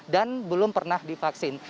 dan belum pernah divaksin